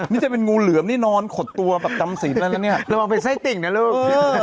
นี่จะเป็นงูเหลือมนี่นอนขดตัวแบบจำสินแล้วนะเนี่ยระวังเป็นไส้ติ่งนะลูก